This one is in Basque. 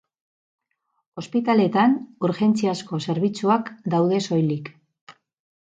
Ospitaleetan, urgentziazko zerbitzuak daude soilik.